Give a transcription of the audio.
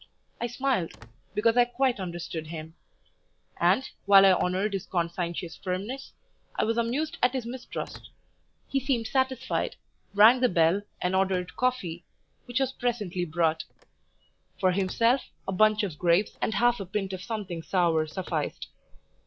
I smiled, because I quite understood him; and, while I honoured his conscientious firmness, I was amused at his mistrust; he seemed satisfied, rang the bell, and ordered coffee, which was presently brought; for himself, a bunch of grapes and half a pint of something sour sufficed.